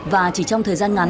và chỉ trong thời gian một năm